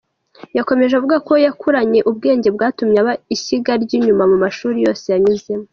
Yakomeje avuga ko yakuranye ubwenge bwatumye aba ishyiga ry’inyuma mu mashuli yose yanyuzemo.